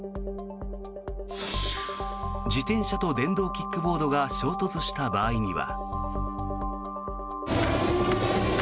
自転車と電動キックボードが衝突した場合には。